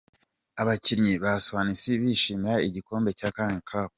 Abakinnyi ba Swansea bishimira igikombe cya "Carling Cup".